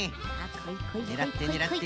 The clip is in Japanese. ねらってねらって。